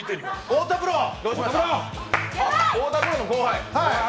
太田プロの後輩。